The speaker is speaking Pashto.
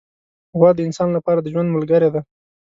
غوا د انسان لپاره د ژوند ملګرې ده.